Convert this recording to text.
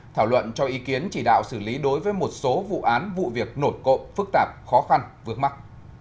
thảo luận cho ý kiến chỉ đạo xử lý đối với một số vụ án vụ việc nổn cộm phức tạp khó khăn vước mắt